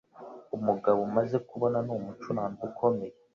Umugabo umaze kubona ni umucuranzi ukomeye.